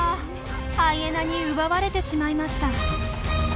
ハイエナに奪われてしまいました。